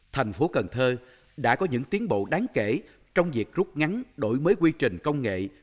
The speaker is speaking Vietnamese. thành phố cần thơ đã có những tiến bộ đáng kể trong việc rút ngắn đổi mới quy trình công nghệ